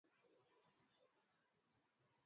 Matangazo ya dakika thelathini yalikuwa yamerekodiwa